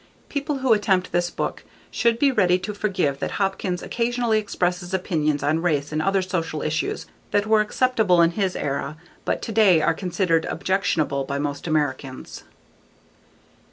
People who attempt this book should be ready to forgive that Hopkins occasionally expresses opinions on race and other social issues that were acceptable in his era but today are considered objectionable by most Americans.